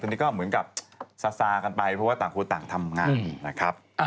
ตอนนี้ก็เหมือนกับซาซากันไปเพราะว่าต่างคนต่างทำงานนะครับ